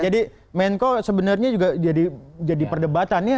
jadi menko sebenarnya juga jadi perdebatannya